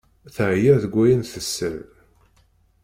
Teɛya deg wayen tessal.